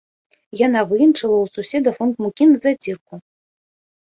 Яна выенчыла ў суседа фунт мукі на зацірку.